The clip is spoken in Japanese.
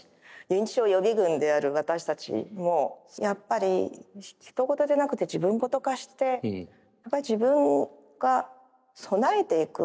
認知症予備軍である私たちもやっぱりひとごとじゃなくて自分ごと化してやっぱり自分が備えていく。